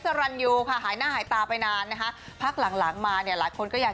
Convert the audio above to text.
การอยู่ภาษณานชอบไปนานนะ๊ะหลังมาเนี่ยหลายคนก็อยาก